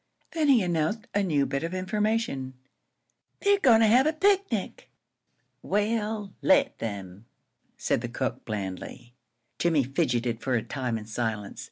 Then he announced a new bit of information: "They're goin' to have a picnic." "Well, let them," said the cook, blandly. Jimmie fidgeted for a time in silence.